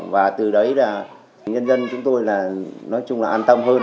và từ đấy là nhân dân chúng tôi là nói chung là an tâm hơn